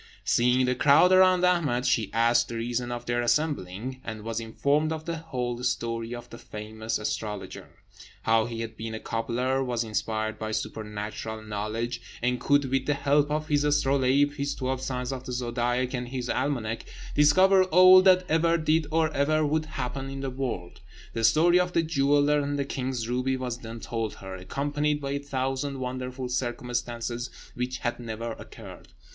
Seeing the crowd around Ahmed, she asked the reason of their assembling, and was informed of the whole story of the famous astrologer: how he had been a cobbler, was inspired with supernatural knowledge, and could, with the help of his astrolabe, his twelve signs of the zodiac, and his almanac, discover all that ever did or ever would happen in the world. The story of the jeweller and the king's ruby was then told her, accompanied by a thousand wonderful circumstances which had never occurred.